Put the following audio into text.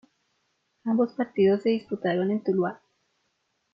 Ambos partidos se disputaron en Tuluá.